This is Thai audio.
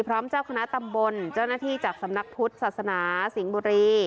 เจ้าคณะตำบลเจ้าหน้าที่จากสำนักพุทธศาสนาสิงห์บุรี